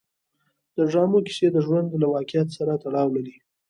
د ډرامو کیسې د ژوند له واقعیت سره تړاو لري.